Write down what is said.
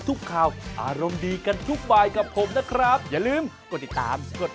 ถูกต้องครับ